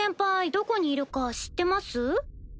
どこにいるか知ってます？